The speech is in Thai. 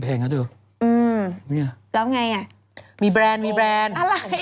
แล้วไงอ่ะมีแบรนด์